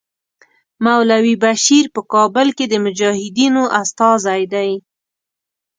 مولوي بشیر په کابل کې د مجاهدینو استازی دی.